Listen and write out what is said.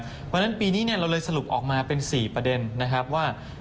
เพราะฉะนั้นปีนี้เราเลยสรุปออกมาเป็น๔ประเด็นนะครับว่า